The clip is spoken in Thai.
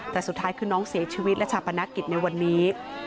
แต่สุดท้ายคือน้องเสียชีวิตและชาปนกิจในวันนี้